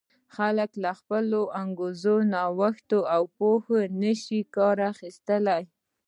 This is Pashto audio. خلک له خپلو انګېزو، نوښتونو او پوهې نه شي کار اخیستلای.